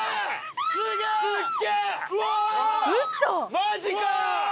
マジか！